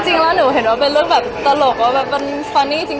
จริงแล้วหนูเห็นว่าเป็นเรื่องแบบตลกว่าแบบเป็นฟานี่จริง